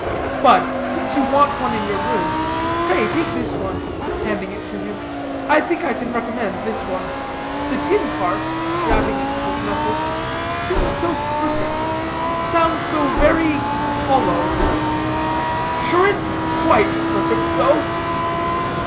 But, since you want one in your room, pray take this one," handing it to him. "I think I can recommend this one; the tin part," rapping it with his knuckles, "seems so perfect sounds so very hollow." "Sure it's quite perfect, though?"